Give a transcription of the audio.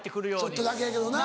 ちょっとだけやけどな。